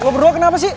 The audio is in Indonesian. lo berdua kenapa sih